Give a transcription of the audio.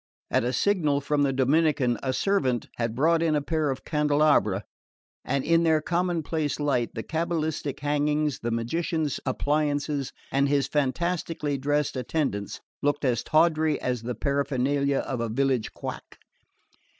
At a signal from the Dominican a servant had brought in a pair of candelabra, and in their commonplace light the cabalistic hangings, the magician's appliances and his fantastically dressed attendants looked as tawdry as the paraphernalia of a village quack.